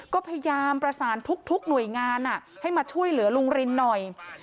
ก็พยายามประสานทุกหน่วยงานให้มาช่วยเหลือลุงรินหน่อย